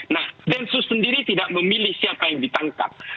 nah densus sendiri tidak memilih siapa yang ditangkap